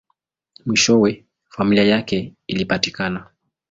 Mwishowe, familia yake ilipatikana.